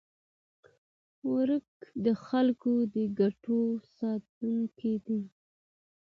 واک د خلکو د ګټو ساتونکی دی.